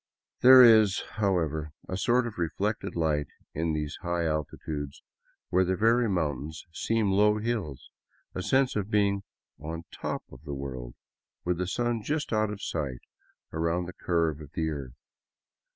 There is, however, a sort of reflected light in these high altitudes, where the very mountains seem low hills, a sense of being on top of the world, with the sun just out of sight around the curve of the earth.